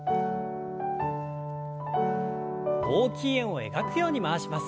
大きい円を描くように回します。